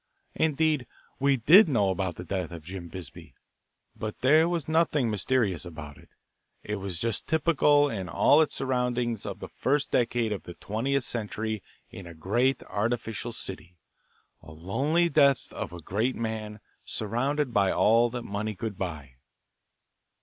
Indeed we did know about the death of Jim Bisbee. But there was nothing mysterious about it. It was just typical in all its surroundings of the first decade of the twentieth century in a great, artificial city a lonely death of a great man surrounded by all that money could buy.